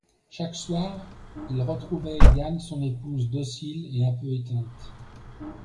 Chaque soir, il retrouvait Éliane, son épouse docile et un peu éteinte.